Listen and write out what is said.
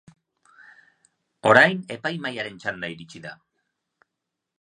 Orain epaimahairen txanda iritsi da.